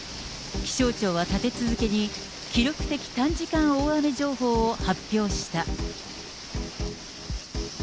気象庁は立て続けに記録的短時間大雨情報を発表した。